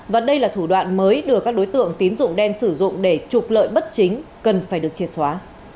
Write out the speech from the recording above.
và đây là thủ đoạn mới đưa các đối tượng tín dụng đen sử dụng để trục lợi bất chính cần phải được triệt xóa